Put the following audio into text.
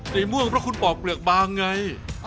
ม่วงเพราะคุณปอกเปลือกบางไง